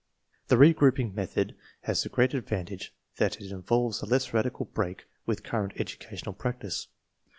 The re grouping method has the great advantage that it involves a less radical break with current educational practice.